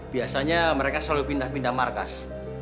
biasanya mereka selalu pindah pindah markas